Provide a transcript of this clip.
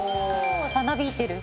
「なびいてる」